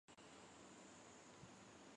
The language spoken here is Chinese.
不过市民无法作完整的足球或篮球比赛。